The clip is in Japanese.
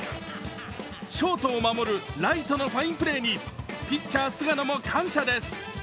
ショートを守る礼都のファインプレーにピッチャー・菅野も感謝です。